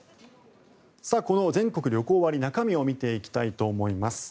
この全国旅行割中身を見ていきたいと思います。